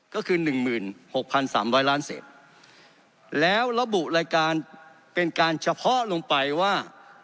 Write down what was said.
ก็คือ๑๖๓๐๐ล้านเศษแล้วระบุรายการเป็นการเฉพาะลงไปว่า